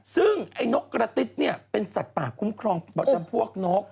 ซึ่งไอ้นกกระติ๊ดเนี่ยเป็นสัตว์ป่าคุ้มครองประจำพวกนก